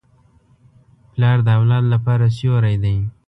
پلار د اولاد لپاره سیوری دی.